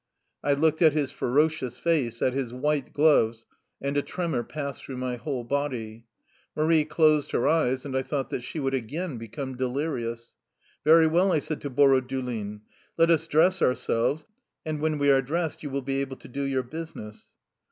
I looked at his ferocious face, at his white gloves, and a tremor passed through my whole body. Marie closed her eyes, and I thought that she would again become delirious. ^^Very well," I said to Borodulin. "Let us dress ourselves, and when we are dressed you will be able to do your business."